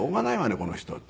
この人」って。